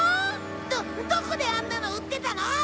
どどこであんなの売ってたの！？